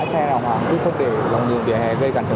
xe ô tô bị xử lý vi phạm